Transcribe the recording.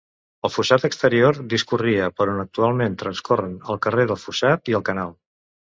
El fossat exterior discorria per on actualment transcorren el carrer del Fossat i el canal.